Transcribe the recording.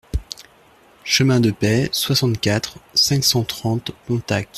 Chemin de Pey, soixante-quatre, cinq cent trente Pontacq